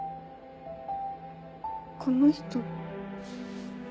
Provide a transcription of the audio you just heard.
この人。